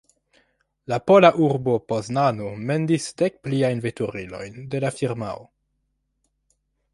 La pola urbo Poznano mendis dek pliajn veturilojn de la firmao.